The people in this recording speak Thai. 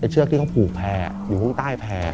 เชือกที่เขาผูกแพร่อยู่ข้างใต้แพร่